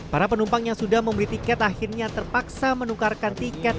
para penumpang yang sudah membeli tiket akhirnya terpaksa menukarkan tiket